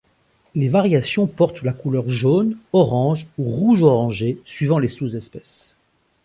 Les variations portent sur la couleur jaune, orange ou rouge orangé suivant les sous-espèces.